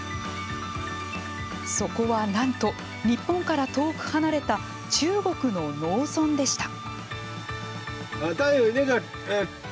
そこはなんと、日本から遠く離れた中国の農村でした。